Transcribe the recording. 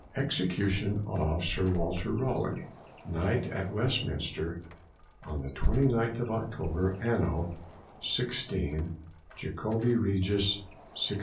EXECUTION of Sir WALTER RALEIGH, _Knight, at Westminster, on the 29th of October, Anno 16o, Jacobi Regis, 1618.